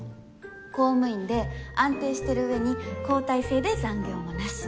公務員で安定してる上に交代制で残業もなし。